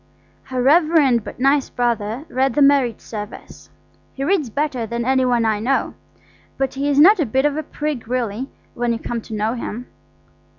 Her reverend but nice brother read the marriage service. He reads better than any one I know, but he is not a bit of a prig really, when you come to know him.